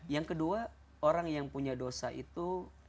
yang kedua orang yang punya dosa itu